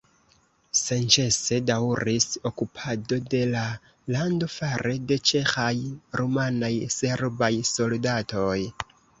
Senĉese daŭris okupado de la lando fare de ĉeĥaj, rumanaj, serbaj soldatoj.